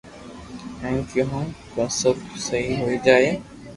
ھين ڪيو ھون ڪو سب سھي ھوئي جائي